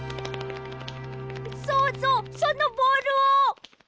そうそうそのボールを。